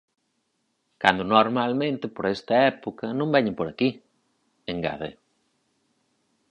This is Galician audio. "Cando, normalmente, por esta época non veñen por aquí", engade.